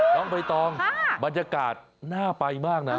น้องใบตองบรรยากาศน่าไปมากนะ